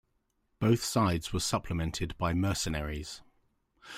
Both sides were supplemented by mercenaries.